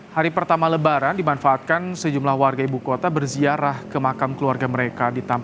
hari pertama lebaran dimanfaatkan sejumlah warga ibu kota berziarah ke makam keluarga mereka